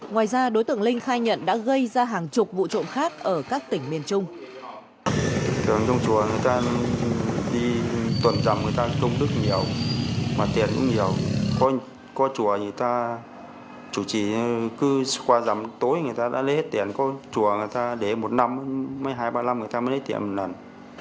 ngoài ra đối tượng linh khai nhận đã gây ra hàng chục vụ trộm khác ở các tỉnh miền trung